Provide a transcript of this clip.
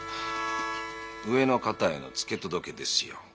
上の方への付け届けですよ。